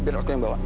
biar aku yang bawa